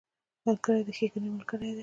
ملګری د ښېګڼې ملګری دی